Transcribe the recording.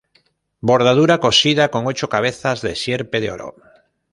Bordura cosida con ocho cabezas de sierpe de oro.